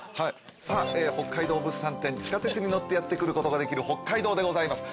さあ北海道物産展地下鉄に乗ってやって来ることができる北海道でございます。